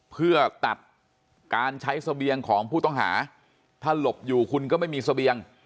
เพื่อตัดการใช้เสบียงของผู้ต้องหาถ้าหลบอยู่คุณก็ไม่มีเสบียง